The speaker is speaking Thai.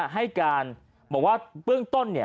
ให้การบอกว่าเบื้องต้น